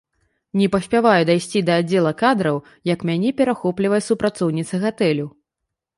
Не паспяваю дайсці да аддзела кадраў, як мяне перахоплівае супрацоўніца гатэлю.